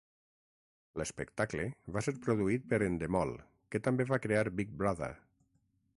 L'espectacle va ser produït per Endemol, que també va crear Big Brother.